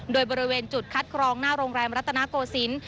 โดยบริเวณจุดคัดกรองหน้าโรงแรมรัตนโกศิลป์